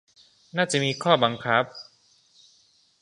น่าจะมีข้อบังคับ